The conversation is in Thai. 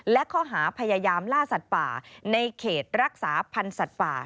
และข้อหาพยายามล่าสัตว์ป่าในเขตรักษาพันธ์สัตว์ป่า